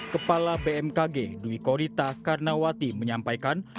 kepala bmkg dwi korita karnawati menyampaikan